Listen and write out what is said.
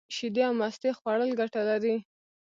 شیدې او مستې خوړل گټه لري.